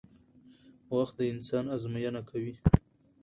وخت د انسان ازموینه کوي